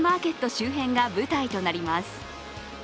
周辺が舞台となります。